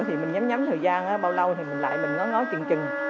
thì mình nhắm nhắm thời gian bao lâu thì mình lại nói chừng chừng